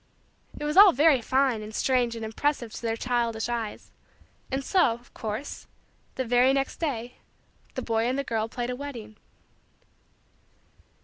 It was all very fine and strange and impressive to their childish eyes; and so, of course, the very next day, the boy and the girl played a wedding.